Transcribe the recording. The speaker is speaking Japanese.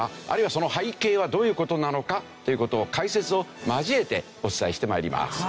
あるいはその背景はどういう事なのかっていう事を解説を交えてお伝えして参ります。